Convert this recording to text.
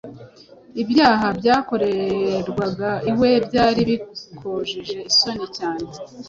Ibyaha byakorerwaga iwe byari bikojeje isoni cyane